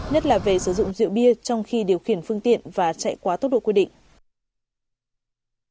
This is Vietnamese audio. nhất là về sử dụng rượu bia trong khi điều khiển phương tiện và chạy quá tốc độ quy định